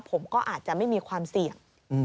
ผมก็อาจจะไม่มีความเสี่ยง